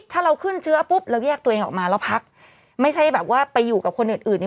ถ้าเราขึ้นเชื้อปุ๊บเราแยกตัวเองออกมาแล้วพักไม่ใช่แบบว่าไปอยู่กับคนอื่นอื่นเนี่ย